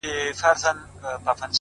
فکرونه د برخلیک تخمونه دي,